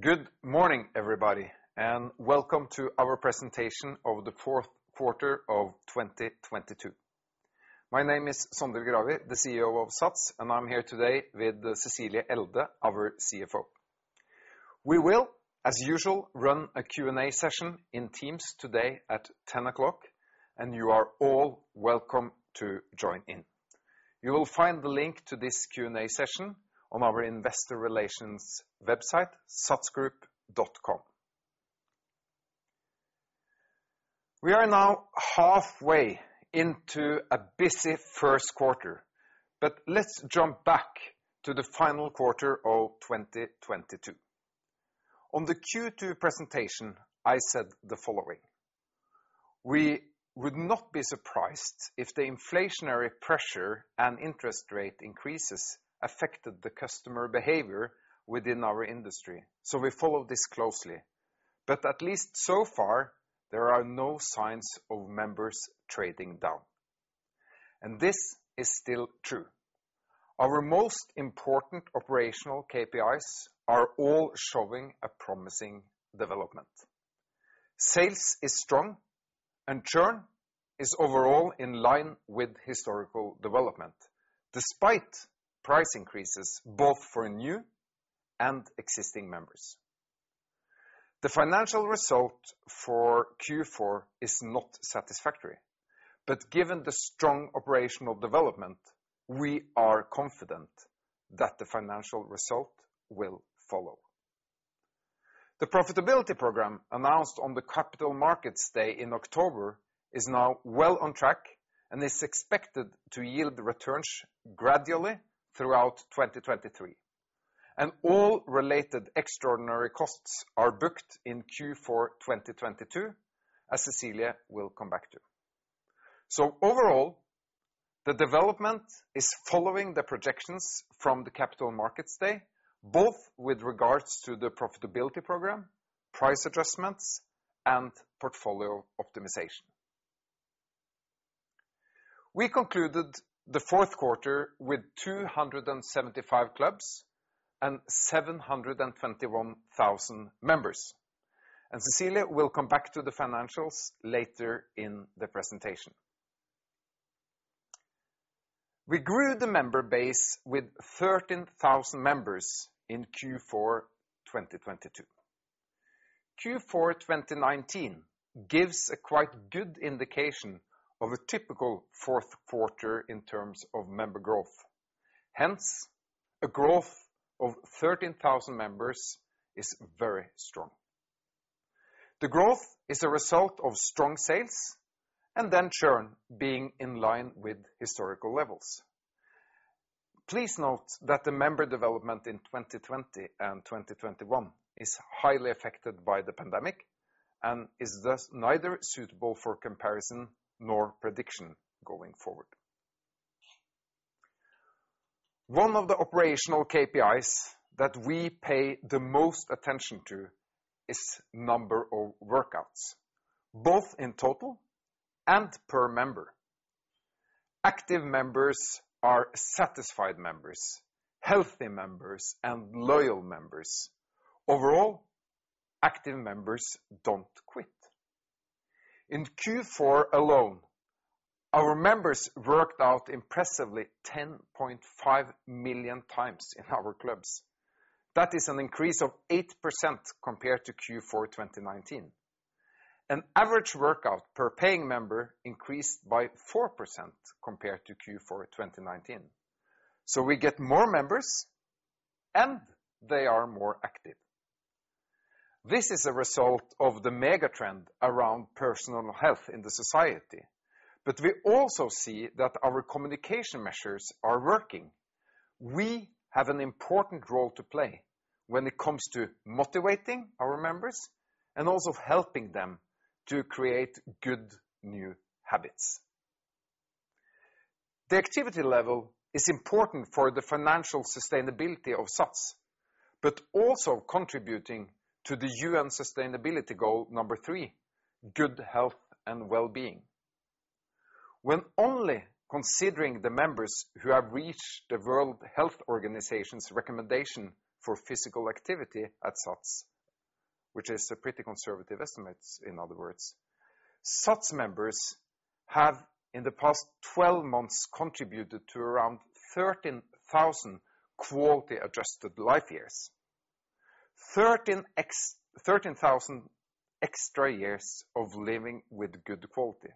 Good morning, everybody, welcome to our presentation of the fourth quarter of 2022. My name is Sondre Gravir, the CEO of SATS, I'm here today with Cecilie Elde, our CFO. We will, as usual, run a Q&A session in Teams today at 10:00 A.M., you are all welcome to join in. You will find the link to this Q&A session on our investor relations website, satsgroup.com. We are now halfway into a busy first quarter, let's jump back to the final quarter of 2022. On the Q2 presentation, I said the following, "We would not be surprised if the inflationary pressure and interest rate increases affected the customer behavior within our industry, we follow this closely. At least so far, there are no signs of members trading down." This is still true. Our most important operational KPIs are all showing a promising development. Sales is strong. Churn is overall in line with historical development, despite price increases both for new and existing members. The financial result for Q4 is not satisfactory. Given the strong operational development, we are confident that the financial result will follow. The profitability program announced on the Capital Markets Day in October is now well on track and is expected to yield returns gradually throughout 2023. All related extraordinary costs are booked in Q4 2022, as Cecilie Elde will come back to. Overall, the development is following the projections from the Capital Markets Day, both with regards to the profitability program, price adjustments, and portfolio optimization. We concluded the fourth quarter with 275 clubs and 721,000 members. Cecilie will come back to the financials later in the presentation. We grew the member base with 13,000 members in Q4 2022. Q4 2019 gives a quite good indication of a typical fourth quarter in terms of member growth. Hence, a growth of 13,000 members is very strong. The growth is a result of strong sales and then churn being in line with historical levels. Please note that the member development in 2020 and 2021 is highly affected by the pandemic and is thus neither suitable for comparison nor prediction going forward. One of the operational KPIs that we pay the most attention to is number of workouts, both in total and per member. Active members are satisfied members, healthy members, and loyal members. Overall, active members don't quit. In Q4 alone, our members worked out impressively 10.5 million times in our clubs. That is an increase of 8% compared to Q4 2019. An average workout per paying member increased by 4% compared to Q4 2019. We get more members, and they are more active. This is a result of the mega trend around personal health in the society. We also see that our communication measures are working. We have an important role to play when it comes to motivating our members and also helping them to create good new habits. The activity level is important for the financial sustainability of SATS, but also contributing to the UN sustainability goal number three, good health and well-being. When only considering the members who have reached the World Health Organization's recommendation for physical activity at SATS, which is a pretty conservative estimate, in other words, SATS members have in the past 12 months contributed to around 13,000 quality-adjusted life years. 13,000 extra years of living with good quality.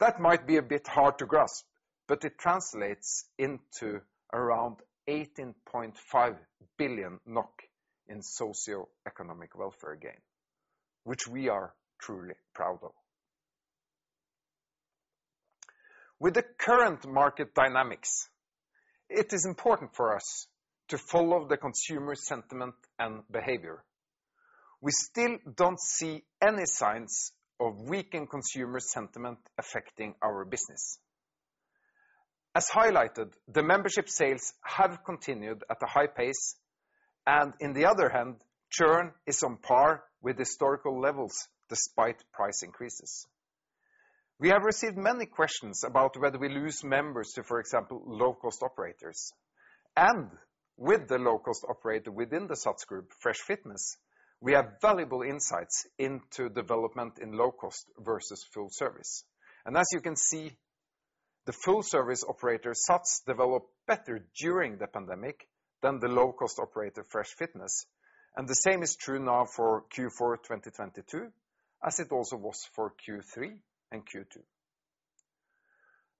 That might be a bit hard to grasp, but it translates into around 18.5 billion NOK in socioeconomic welfare gain, which we are truly proud of. With the current market dynamics, it is important for us to follow the consumer sentiment and behavior. We still don't see any signs of weakened consumer sentiment affecting our business. As highlighted, the membership sales have continued at a high pace. In the other hand, churn is on par with historical levels despite price increases. We have received many questions about whether we lose members to, for example, low-cost operators. With the low-cost operator within the SATS Group, Fresh Fitness, we have valuable insights into development in low cost versus full service. As you can see, the full service operator, SATS, developed better during the pandemic than the low-cost operator, Fresh Fitness. The same is true now for Q4 of 2022, as it also was for Q3 and Q2.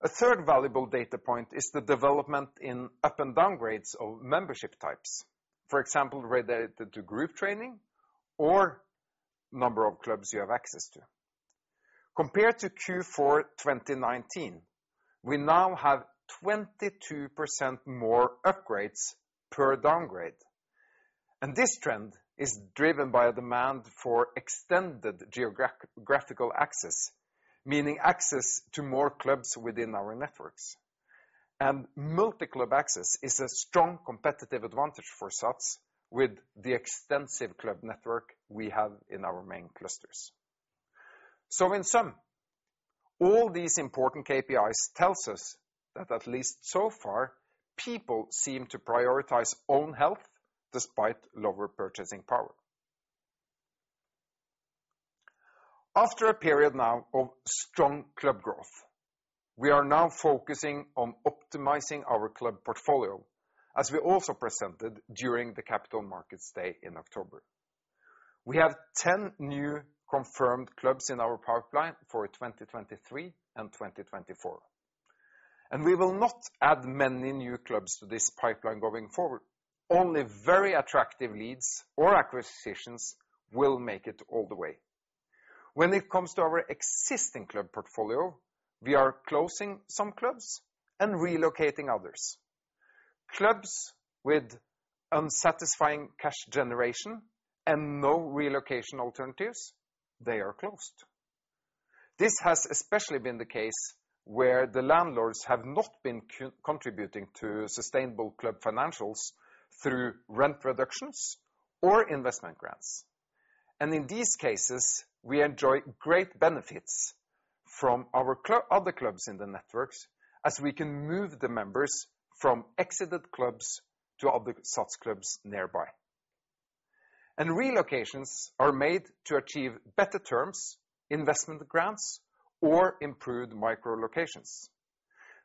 A third valuable data point is the development in up and downgrades of membership types. For example, related to group training or number of clubs you have access to. Compared to Q4 2019, we now have 22% more upgrades per downgrade. This trend is driven by a demand for extended geographical access, meaning access to more clubs within our networks. Multi-club access is a strong competitive advantage for SATS with the extensive club network we have in our main clusters. In sum, all these important KPIs tells us that at least so far, people seem to prioritize own health despite lower purchasing power. After a period now of strong club growth, we are now focusing on optimizing our club portfolio, as we also presented during the Capital Markets Day in October. We have 10 new confirmed clubs in our pipeline for 2023 and 2024. We will not add many new clubs to this pipeline going forward. Only very attractive leads or acquisitions will make it all the way. When it comes to our existing club portfolio, we are closing some clubs and relocating others. Clubs with unsatisfying cash generation and no relocation alternatives, they are closed. This has especially been the case where the landlords have not been contributing to sustainable club financials through rent reductions or investment grants. In these cases, we enjoy great benefits from our other clubs in the networks as we can move the members from exited clubs to other SATS clubs nearby. Relocations are made to achieve better terms, investment grants, or improved micro locations.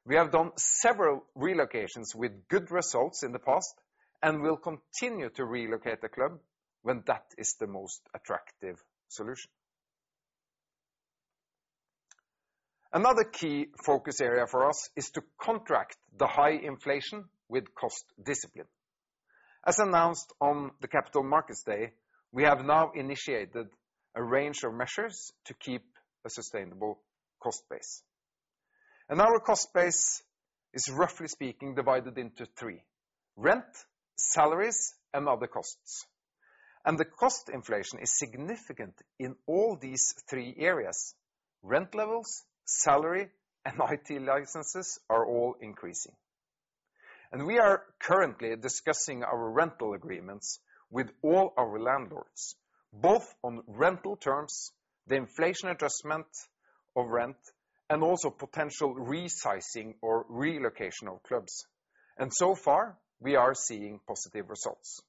We have done several relocations with good results in the past and will continue to relocate the club when that is the most attractive solution. Another key focus area for us is to contract the high inflation with cost discipline. As announced on the Capital Markets Day, we have now initiated a range of measures to keep a sustainable cost base. Our cost base is, roughly speaking, divided into three: rent, salaries, and other costs. The cost inflation is significant in all these three areas. Rent levels, salary, and IT licenses are all increasing. We are currently discussing our rental agreements with all our landlords, both on rental terms, the inflation adjustment of rent, and also potential resizing or relocation of clubs. So far, we are seeing positive results.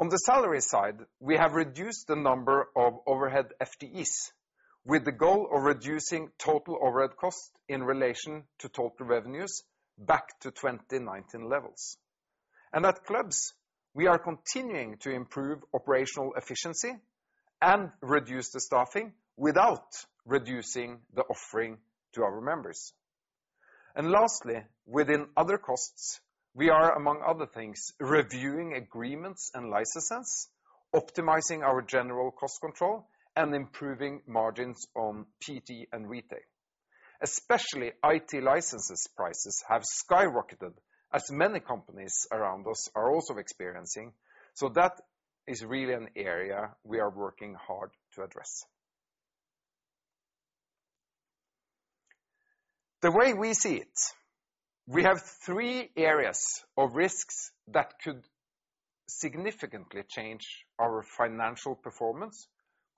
On the salary side, we have reduced the number of overhead FTEs with the goal of reducing total overhead cost in relation to total revenues back to 2019 levels. At clubs, we are continuing to improve operational efficiency and reduce the staffing without reducing the offering to our members. Lastly, within other costs, we are, among other things, reviewing agreements and licenses, optimizing our general cost control, and improving margins on PT and retail. Especially IT licenses prices have skyrocketed as many companies around us are also experiencing. That is really an area we are working hard to address. The way we see it, we have three areas of risks that could significantly change our financial performance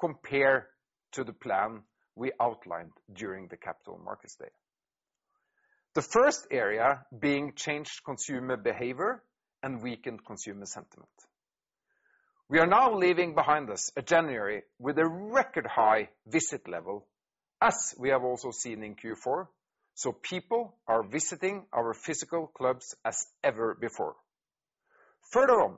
compared to the plan we outlined during the Capital Markets Day. The first area being changed consumer behavior and weakened consumer sentiment. We are now leaving behind us a January with a record high visit level, as we have also seen in Q4. People are visiting our physical clubs as ever before. Further on,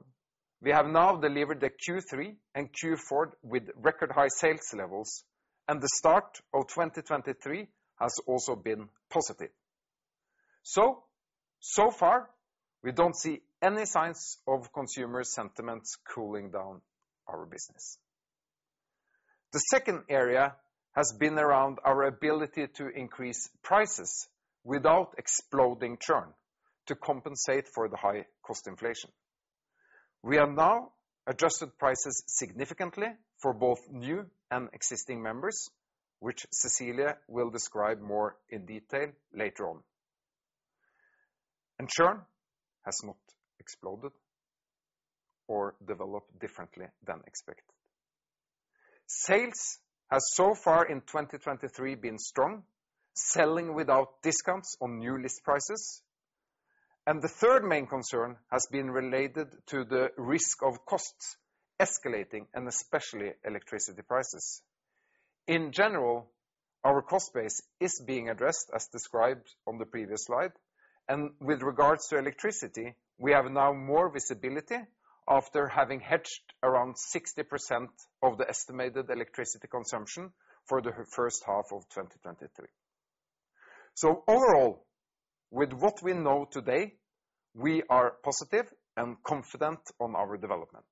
we have now delivered the Q3 and Q4 with record high sales levels, and the start of 2023 has also been positive. So far, we don't see any signs of consumer sentiments cooling down our business. The second area has been around our ability to increase prices without exploding churn to compensate for the high cost inflation. We have now adjusted prices significantly for both new and existing members. Which Cecilie will describe more in detail later on. Churn has not exploded or developed differently than expected. SATS has so far in 2023 been strong, selling without discounts on new list prices. The third main concern has been related to the risk of costs escalating, and especially electricity prices. In general, our cost base is being addressed as described on the previous slide. With regards to electricity, we have now more visibility after having hedged around 60% of the estimated electricity consumption for the first half of 2023. Overall, with what we know today, we are positive and confident on our development.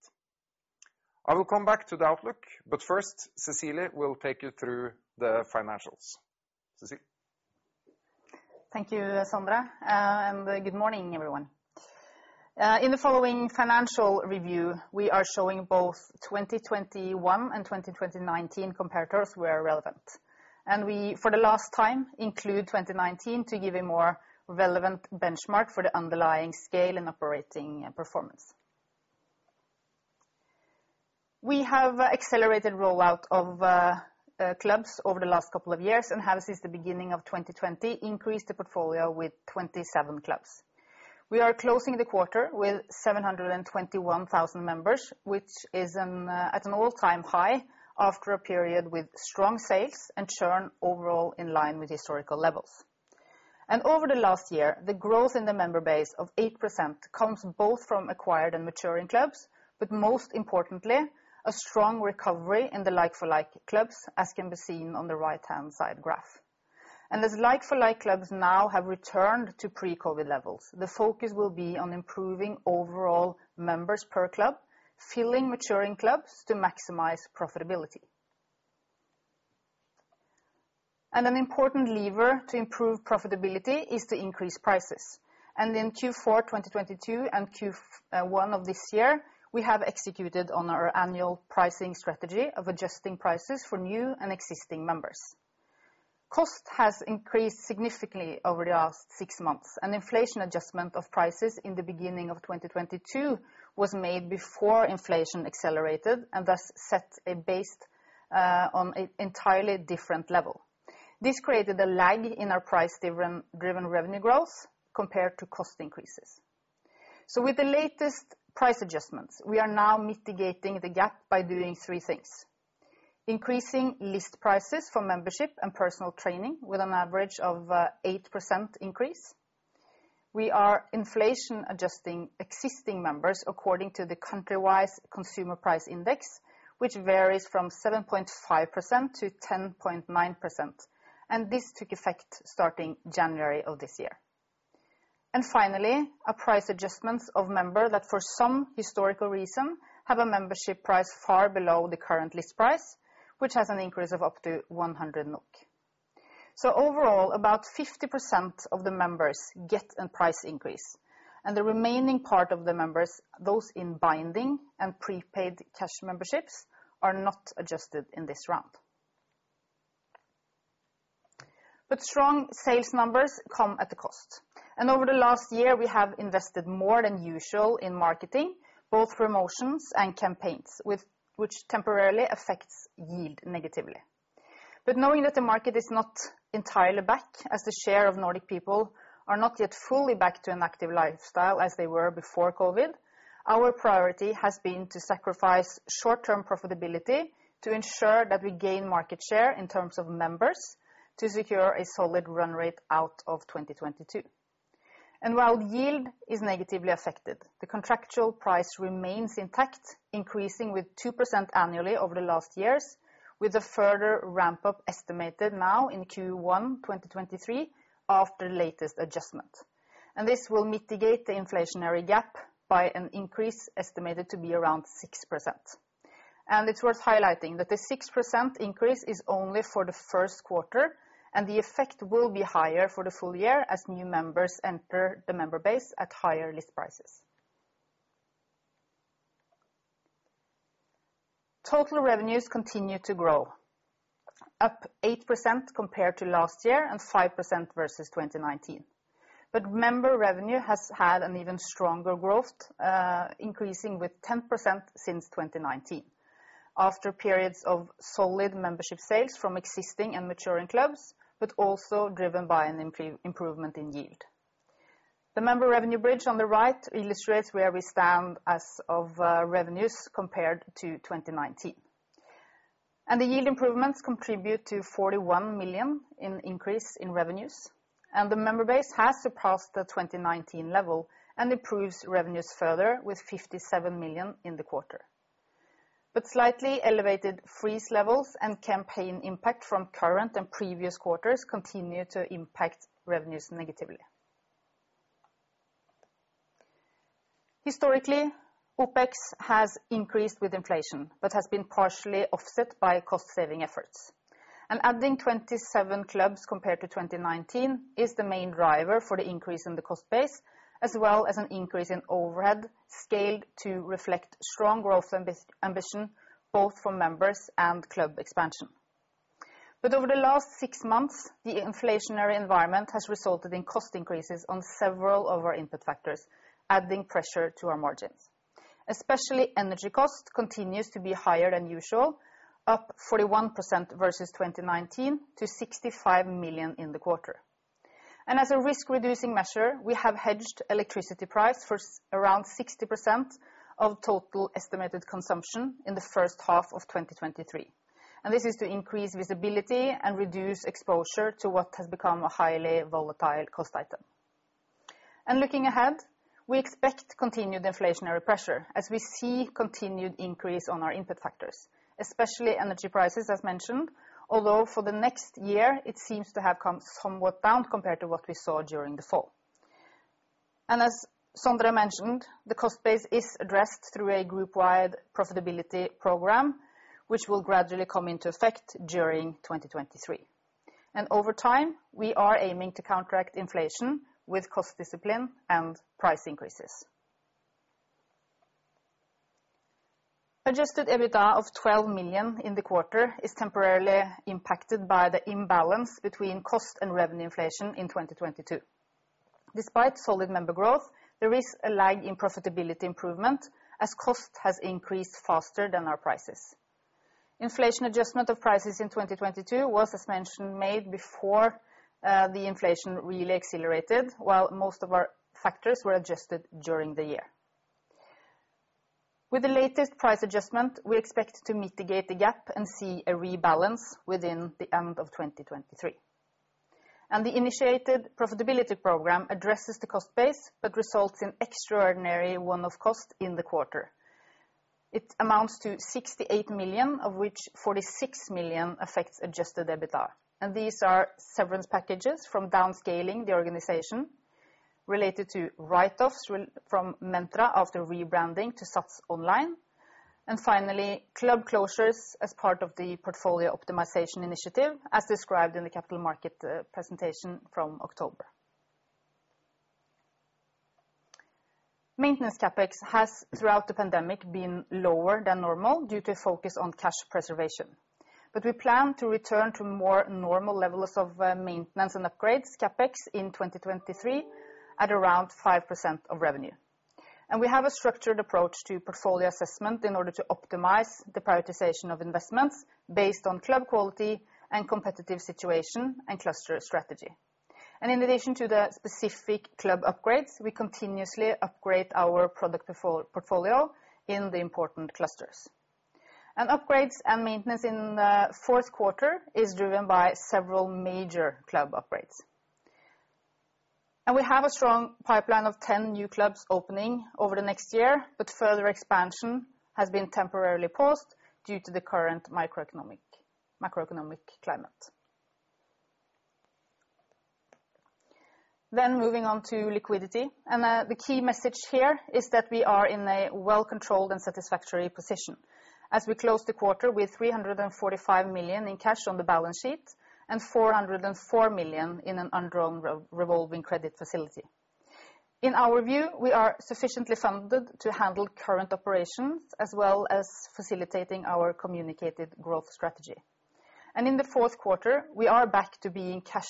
I will come back to the outlook, but first Cecilie will take you through the financials. Cecilie? Thank you, Sondre, and good morning, everyone. In the following financial review, we are showing both 2021 and 2019 comparators where relevant. We, for the last time, include 2019 to give a more relevant benchmark for the underlying scale and operating performance. We have accelerated rollout of clubs over the last couple of years and have, since the beginning of 2020, increased the portfolio with 27 clubs. We are closing the quarter with 721,000 members, which is at an all-time high after a period with strong sales and churn overall in line with historical levels. Over the last year, the growth in the member base of 8% comes both from acquired and maturing clubs. Most importantly, a strong recovery in the like-for-like clubs, as can be seen on the right-hand side graph. As like-for-like clubs now have returned to pre-COVID levels, the focus will be on improving overall members per club, filling maturing clubs to maximize profitability. An important lever to improve profitability is to increase prices. In Q4 2022 and Q1 of this year, we have executed on our annual pricing strategy of adjusting prices for new and existing members. Cost has increased significantly over the last six months. Inflation adjustment of prices in the beginning of 2022 was made before inflation accelerated and thus set a base on an entirely different level. This created a lag in our price-driven revenue growth compared to cost increases. With the latest price adjustments, we are now mitigating the gap by doing three things: increasing list prices for membership and personal training with an average of 8% increase. We are inflation adjusting existing members according to the country-wise consumer price index, which varies from 7.5%-10.9%, and this took effect starting January of this year. Finally, our price adjustments of member that, for some historical reason, have a membership price far below the current list price, which has an increase of up to 100 NOK. Overall, about 50% of the members get a price increase, and the remaining part of the members, those in binding and prepaid cash memberships, are not adjusted in this round. Strong sales numbers come at a cost. Over the last year, we have invested more than usual in marketing, both promotions and campaigns, which temporarily affects yield negatively. Knowing that the market is not entirely back, as the share of Nordic people are not yet fully back to an active lifestyle as they were before COVID-19, our priority has been to sacrifice short-term profitability to ensure that we gain market share in terms of members to secure a solid run rate out of 2022. While yield is negatively affected, the contractual price remains intact, increasing with 2% annually over the last years, with a further ramp-up estimated now in Q1 2023 after the latest adjustment. This will mitigate the inflationary gap by an increase estimated to be around 6%. It's worth highlighting that the 6% increase is only for the first quarter, and the effect will be higher for the full year as new members enter the member base at higher list prices. Total revenues continue to grow, up 8% compared to last year and 5% versus 2019. Member revenue has had an even stronger growth, increasing with 10% since 2019 after periods of solid membership sales from existing and maturing clubs, but also driven by an improvement in yield. The member revenue bridge on the right illustrates where we stand as of revenues compared to 2019. The yield improvements contribute to 41 million in increase in revenues. The member base has surpassed the 2019 level and improves revenues further with 57 million in the quarter. Slightly elevated freeze levels and campaign impact from current and previous quarters continue to impact revenues negatively. Historically, OPEX has increased with inflation but has been partially offset by cost-saving efforts. Adding 27 clubs compared to 2019 is the main driver for the increase in the cost base, as well as an increase in overhead scaled to reflect strong growth ambition, both from members and club expansion. Over the last six months, the inflationary environment has resulted in cost increases on several of our input factors, adding pressure to our margins. Especially energy cost continues to be higher than usual, up 41% versus 2019 to 65 million in the quarter. As a risk reducing measure, we have hedged electricity price around 60% of total estimated consumption in the first half of 2023. This is to increase visibility and reduce exposure to what has become a highly volatile cost item. Looking ahead, we expect continued inflationary pressure as we see continued increase on our input factors, especially energy prices, as mentioned, although for the next year it seems to have come somewhat down compared to what we saw during the fall. As Sondre mentioned, the cost base is addressed through a group-wide profitability program, which will gradually come into effect during 2023. Over time, we are aiming to counteract inflation with cost discipline and price increases. adjusted EBITDA of 12 million in the quarter is temporarily impacted by the imbalance between cost and revenue inflation in 2022. Despite solid member growth, there is a lag in profitability improvement as cost has increased faster than our prices. Inflation adjustment of prices in 2022 was, as mentioned, made before the inflation really accelerated, while most of our factors were adjusted during the year. With the latest price adjustment, we expect to mitigate the gap and see a rebalance within the end of 2023. The initiated profitability program addresses the cost base, but results in extraordinary one-off cost in the quarter. It amounts to 68 million, of which 46 million affects adjusted EBITDA. These are severance packages from downscaling the organization related to write-offs from Mentra after rebranding to SATS Online. Finally, club closures as part of the portfolio optimization initiative as described in the capital market presentation from October. Maintenance CapEx has, throughout the pandemic, been lower than normal due to focus on cash preservation. We plan to return to more normal levels of maintenance and upgrades CapEx in 2023 at around 5% of revenue. We have a structured approach to portfolio assessment in order to optimize the prioritization of investments based on club quality and competitive situation and cluster strategy. In addition to the specific club upgrades, we continuously upgrade our product portfolio in the important clusters. Upgrades and maintenance in fourth quarter is driven by several major club upgrades. We have a strong pipeline of 10 new clubs opening over the next year, but further expansion has been temporarily paused due to the current microeconomic, macroeconomic climate. Moving on to liquidity. The key message here is that we are in a well-controlled and satisfactory position as we close the quarter with 345 million in cash on the balance sheet and 404 million in an undrawn revolving credit facility. In our view, we are sufficiently funded to handle current operations as well as facilitating our communicated growth strategy. In the fourth quarter, we are back to being cash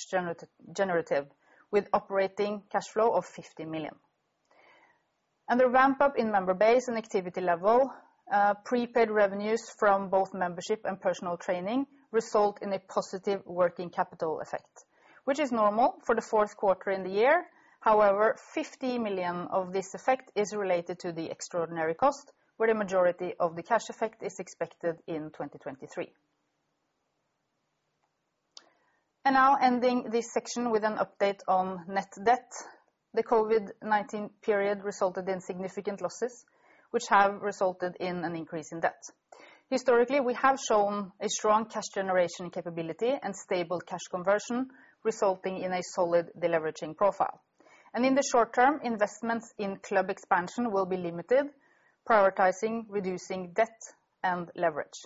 generative with operating cash flow of 50 million. Under ramp up in member base and activity level, prepaid revenues from both membership and personal training result in a positive working capital effect, which is normal for the fourth quarter in the year. However, 50 million of this effect is related to the extraordinary cost, where the majority of the cash effect is expected in 2023. Now ending this section with an update on net debt. The COVID-19 period resulted in significant losses, which have resulted in an increase in debt. Historically, we have shown a strong cash generation capability and stable cash conversion, resulting in a solid deleveraging profile. In the short term, investments in club expansion will be limited, prioritizing reducing debt and leverage.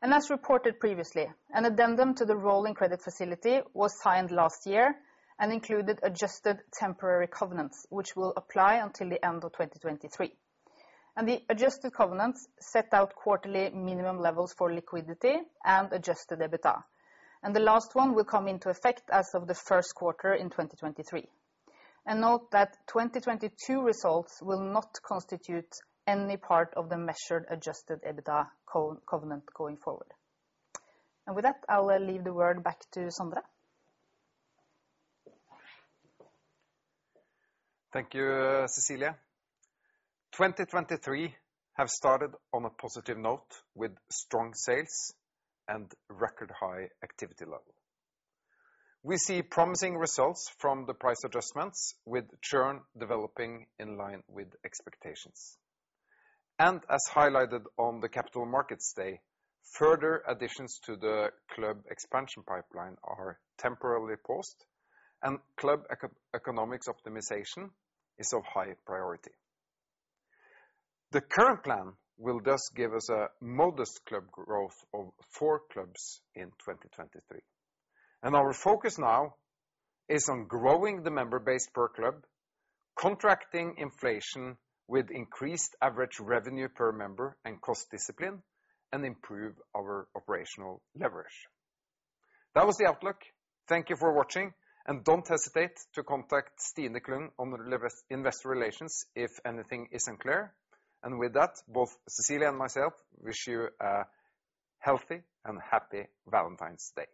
As reported previously, an addendum to the revolving credit facility was signed last year and included adjusted temporary covenants, which will apply until the end of 2023. The adjusted covenants set out quarterly minimum levels for liquidity and adjusted EBITDA. The last one will come into effect as of the first quarter in 2023. Note that 2022 results will not constitute any part of the measured adjusted EBITDA co-covenant going forward. With that, I'll leave the word back to Sondre. Thank you, Cecilie. 2023 have started on a positive note with strong sales and record high activity level. We see promising results from the price adjustments with churn developing in line with expectations. As highlighted on the Capital Markets Day, further additions to the club expansion pipeline are temporarily paused and club eco-economics optimization is of high priority. The current plan will thus give us a modest club growth of four clubs in 2023. Our focus now is on growing the member base per club, contracting inflation with increased average revenue per member and cost discipline, and improve our operational leverage. That was the outlook. Thank you for watching, and don't hesitate to contact Stine Klund on the investor relations if anything isn't clear. With that, both Cecilie and myself wish you a healthy and happy Valentine's Day.